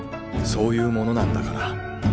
そういうものなんだから。